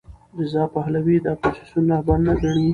رضا پهلوي د اپوزېسیون رهبر نه ګڼي.